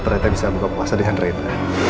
ternyata bisa buka puasa dengan rena